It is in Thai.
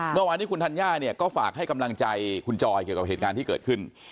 เมื่อวานนี้คุณธัญญาเนี่ยก็ฝากให้กำลังใจคุณจอยเกี่ยวกับเหตุการณ์ที่เกิดขึ้น